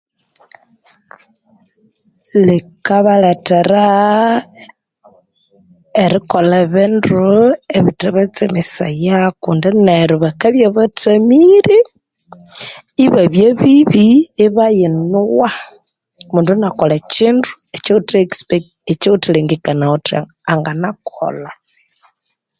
Likabalethera ah erikolha ebindu um ebithe batsemesaya, kundi neryo bakabya bathamiri, ibabya bibi ibayinuwa omundu inakolha ekyindu ekyawutha exipecti ekyawuthalengekanaya wuthi anganakolha.